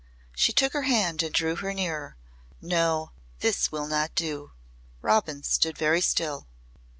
She took her hand and drew her nearer. "No. This will not do." Robin stood very still.